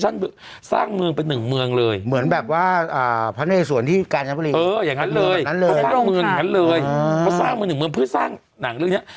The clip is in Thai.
เขาสร้างมาหนึ่งเมืองเพื่อสร้างหนังเรื่องเนี่ย